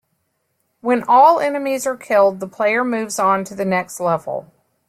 When all enemies are killed, the player moves on to the next level.